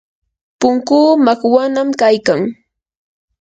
punkuu makwanam kaykan.